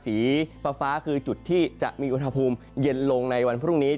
สีฟ้าคือจุดที่จะมีอุณหภูมิเย็นลงในวันพรุ่งนี้